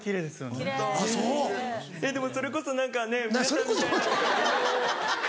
「それこそ何かね」。